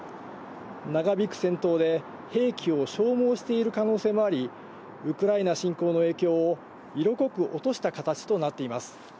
長引く戦闘で、兵器を消耗している可能性もあり、ウクライナ侵攻の影響を色濃く落とした形となっています。